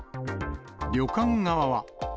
旅館側は。